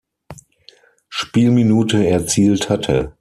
Spielminute erzielt hatte.